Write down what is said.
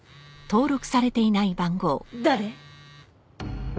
誰？